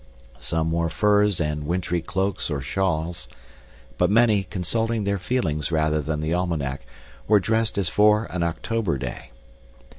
Some wore furs and wintry cloaks or shawls, but many, consulting their feelings rather than the almanac, were dressed as for an October day.